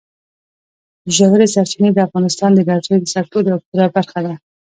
ژورې سرچینې د افغانستان د انرژۍ د سکتور یوه پوره برخه ده.